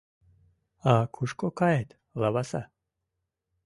А кушко кает, лаваса?